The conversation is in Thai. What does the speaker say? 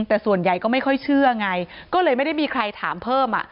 แต่ส่วนใหญ่ก็ไม่ค่อยเชื่อไงก็เลยไม่ได้มีใครถามเพิ่มอ่ะ